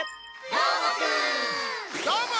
どーも！